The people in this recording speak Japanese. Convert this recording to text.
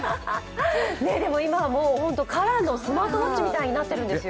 今はもう、ほんとカラーのスマートウォッチみたいになっているんですよ。